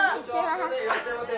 いらっしゃいませ。